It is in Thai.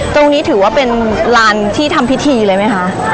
ตรงนี้ถือว่าเป็นลานที่ทำพิธีเลยไหมคะ